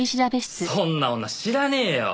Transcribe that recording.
そんな女知らねえよ。